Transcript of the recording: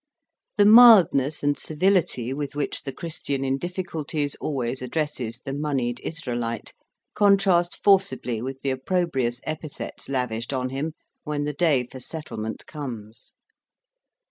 The mildness and civility with which the Christian in difficulties always addresses the moneyed Israelite, contrast forcibly with the opprobrious epithets lavished on him when the day for settlement comes.